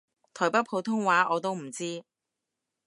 台北普通話我都唔知